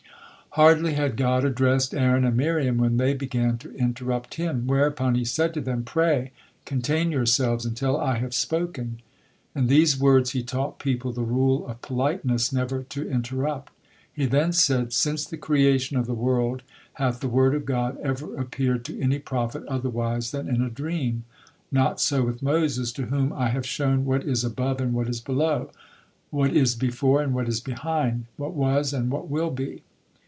Hardly had God addressed Aaron and Miriam, when they began to interrupt Him, whereupon He said to them: "Pray, contain yourselves until I have spoken." In these words He taught people the rule of politeness, never to interrupt. He then said: "Since the creation of the world hath the word of God ever appeared to any prophet otherwise than in a dream? Not so with Moses, to whom I have shown what is above and what is below; what it before and what it behind; what was and what will be.